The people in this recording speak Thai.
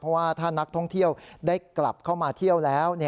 เพราะว่าถ้านักท่องเที่ยวได้กลับเข้ามาเที่ยวแล้ว